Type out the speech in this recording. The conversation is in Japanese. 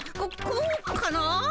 ここうかな？